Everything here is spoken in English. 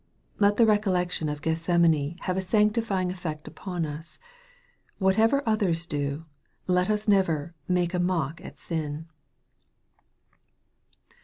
Let the recollection of Gethsemane have a sanctifying effect upon us. What ever others do, let us never " make a mock at sin."